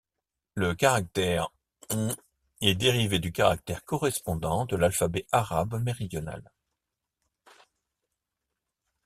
Le caractère ወ est dérivé du caractère correspondant de l'alphabet arabe méridional.